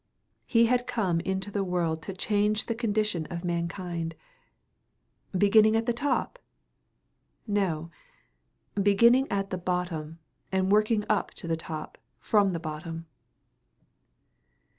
He had come into the world to change the condition of mankind. Beginning at the top? No; beginning at the bottom and working up to the top from the bottom.